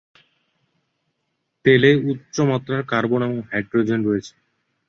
তেলে উচ্চমাত্রার কার্বন এবং হাইড্রোজেন রয়েছে।